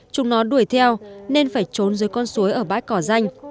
chúng nó đuổi theo nên phải trốn dưới con suối ở bãi cỏ danh